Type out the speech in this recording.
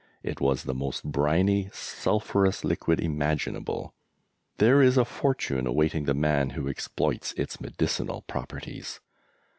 It was the most briny, sulphurous liquid imaginable. There is a fortune awaiting the man who exploits its medicinal properties!